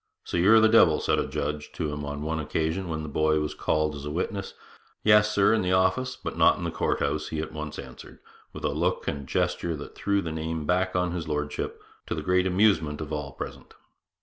'So you're the devil,' said a judge to him on one occasion when the boy was called on as a witness. 'Yes, sir, in the office, but not in the Court House,' he at once answered, with a look and gesture that threw the name back on his lordship, to the great amusement of all present.